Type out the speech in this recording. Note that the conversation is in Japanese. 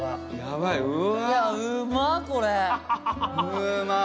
うまっ！